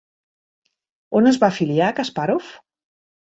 On es va afiliar Kaspàrov?